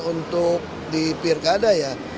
untuk di pilkada ya